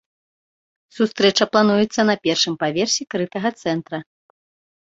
Сустрэча плануецца на першым паверсе крытага цэнтра.